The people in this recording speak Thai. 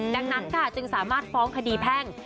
ดังนั้นค่ะจึงสามารถฟ้องคดีแพ่ง